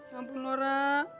ya ampun lora